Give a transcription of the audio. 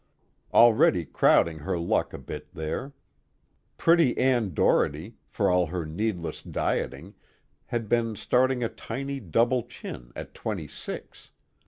Already crowding her luck a bit there; pretty Ann Doherty, for all her needless dieting, had been starting a tiny double chin at twenty six.